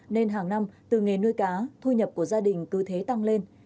nên hàng năm từ nghề nuôi cá thu nhập của gia đình cứ thế tăng lên